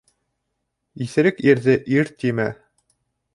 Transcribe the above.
Иҫерек ирҙе ир тимә.